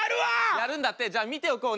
やるんだってじゃあ見ておこうね。